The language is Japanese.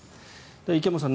池本さん